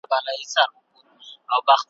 په خوب لیدلی مي توپان وو ما یې زور لیدلی ,